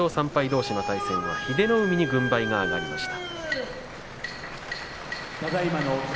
どうしの対戦は英乃海に軍配が上がりました。